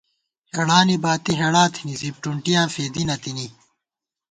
ہېڑانی باتی ہېڑا تھنی زِپ ٹُونٹِیاں فېدی نہ تِنی